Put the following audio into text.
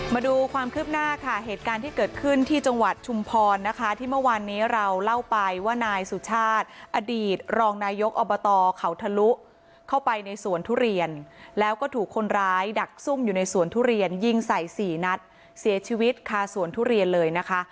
มาดูความคืบหน้าค่ะเหตุการณ์ที่เกิดขึ้นที่จังหวัดชุมพรนะคะที่เมื่อวานนี้เราเล่าไปว่านายสุชาติอดีตรองนายกอบตเขาทะลุเข้าไปในสวนทุเรียนแล้วก็ถูกคนร้ายดักซุ่มอยู่ในสวนทุเรียนยิงใส่สี่นัดเสียชีวิตคาสวนทุเรียนเลยนะคะ